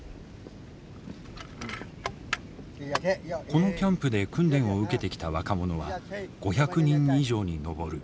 このキャンプで訓練を受けてきた若者は５００人以上に上る。